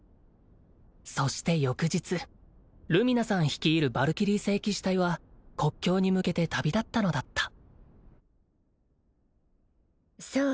そして翌日ルミナさん率いるヴァルキリー聖騎士隊は国境に向けて旅立ったのだったそう